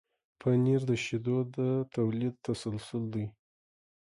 پنېر د شیدو د تولید تسلسل دی.